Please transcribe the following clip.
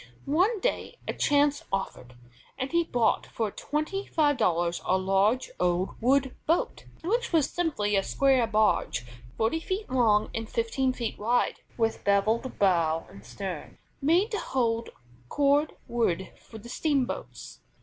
One day a chance offered, and he bought for twenty five dollars a large old wood boat, which was simply a square barge forty feet long and fifteen feet wide, with bevelled bow and stern, made to hold cord wood for the steamboats.